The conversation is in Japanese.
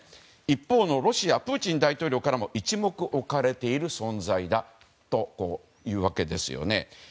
一方のロシアプーチン大統領からも一目置かれている存在だというわけですよね。